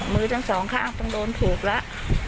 มือทั้งสองข้างต้องโดนถูกแล้ว